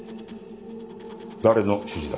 誰の指示だ？